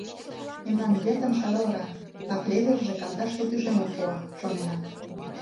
Мемнан йытын шагалрак, а клеверже кандашлу тӱжемым пуа, шонена.